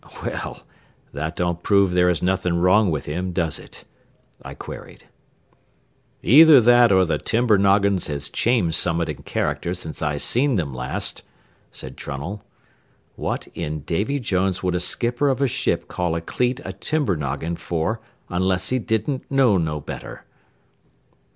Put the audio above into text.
"Well, that don't prove there is anything wrong with him, does it?" I queried. "Either that or the timber noggins has changed summat in character since I seen them last," said Trunnell. "What in Davy Jones would a skipper of a ship call a cleat a timber noggin for unless he didn't know no better?"